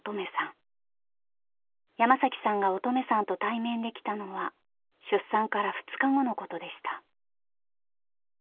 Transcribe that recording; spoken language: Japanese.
山さんが音十愛さんと対面できたのは出産から２日後のことでした。